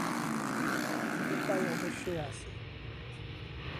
উপায় অবশ্যই আছে!